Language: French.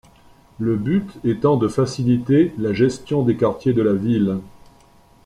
Le but étant de faciliter la gestion des quartiers de la ville.